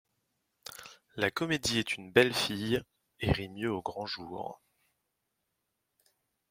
La comédie Est une belle fille, et rit mieux au grand jour.